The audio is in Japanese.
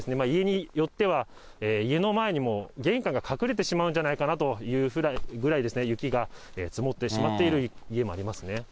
家によっては、家の前にも、玄関が隠れてしまうんじゃないかなというぐらい、雪が積もってしまっている家もありますね。